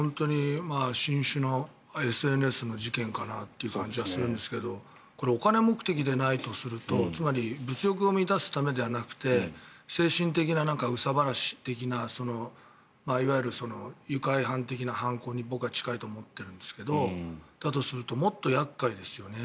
新種のＳＮＳの事件かなって感じがするんですけどこれ、お金目的でないとするとつまり物欲を満たすためではなくて精神的な憂さ晴らし的ないわゆる愉快犯的な犯行に僕は近いと思ってるんですがだとするともっと厄介ですよね。